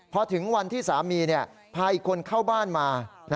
พอถึงวันที่สามีพาอีกคนเข้าบ้านมา